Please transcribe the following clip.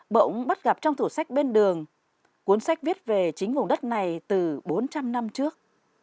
bỗng bắt gặp trong thủ sách bên đường cuốn sách viết về chính vùng đất này từ bốn trăm linh năm trước